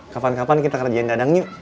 kapan kapan kita kerjain dadangnya